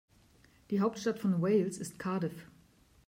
Die Hauptstadt von Wales ist Cardiff.